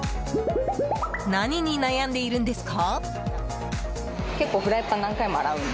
何に悩んでいるんですか？